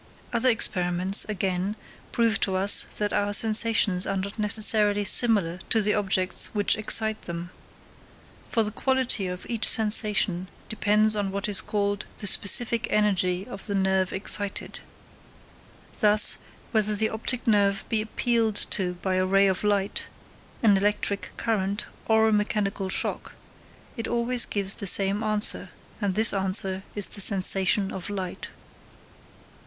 Other experiments, again, prove to us that our sensations are not necessarily similar to the objects which excite them; for the quality of each sensation depends on what is called the specific energy of the nerve excited. Thus, whether the optic nerve be appealed to by a ray of light, an electric current, or a mechanical shock, it always gives the same answer, and this answer is the sensation of light.